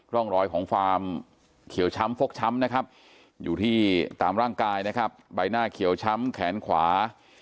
ร่องรอยของความเขียวช้ำฟกช้ำนะครับอยู่ที่ตามร่างกายนะครับใบหน้าเขียวช้ำแขนขวา